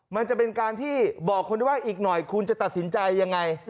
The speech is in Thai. มันจะเป็นการที่บอกคนได้ว่าอีกหน่อยคุณจะตัดสินใจยังไง